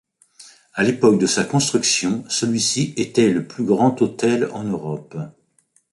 À l'époque de sa construction celui-ci était le plus grand hôtel en Europe.